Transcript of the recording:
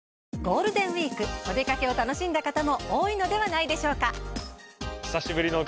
ゴールデンウイークお出掛けを楽しんだ方も多いのではないでしょうか？